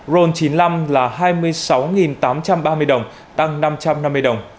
ron chín mươi năm là hai mươi sáu tám trăm ba mươi đồng tăng năm trăm năm mươi đồng